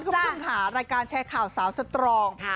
คุณผู้ชมค่ะรายการแชร์ข่าวสาวสตรอง